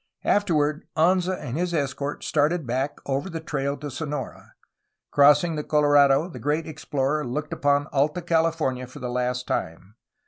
Afterward Anza and his escort started back over the trail to Sonora. Cross ing the Colorado the great explorer looked upon Alta Cali fornia for the last time.